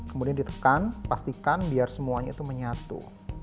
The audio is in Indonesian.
kemudian ditekan pastikan biar semuanya itu menyatu